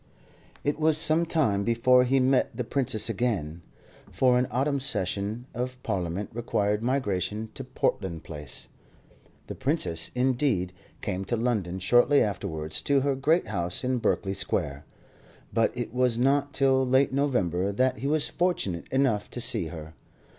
It was some time before he met the Princess again, for an autumn session of Parliament required migration to Portland Place. The Princess, indeed, came to London, shortly afterwards, to her great house in Berkeley Square; but it was not till late November that he was fortunate enough to see her.